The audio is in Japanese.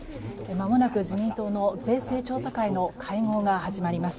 間もなく自民党の税制調査会の会合が始まります。